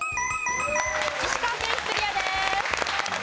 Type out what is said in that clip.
石川県クリアです。